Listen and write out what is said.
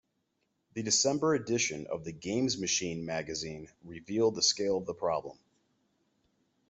The December edition of "The Games Machine" magazine revealed the scale of the problem.